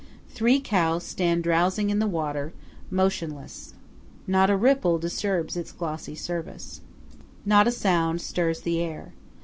Three cows stand drowsing in the water, motionless. Not a ripple disturbs its glassy surface. Not a sound stirs the air.